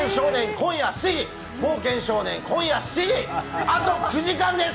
今夜７時、「冒険少年」今夜７時あと９時間です！